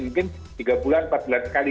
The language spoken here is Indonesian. mungkin tiga bulan empat bulan sekali